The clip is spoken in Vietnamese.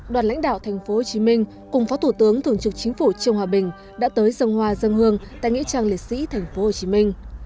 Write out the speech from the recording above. đoàn lãnh đạo thành phố hồ chí minh cùng phó thủ tướng thường trực chính phủ trường hòa bình đã tới dân hương tại nghĩa trang liệt sĩ thành phố hồ chí minh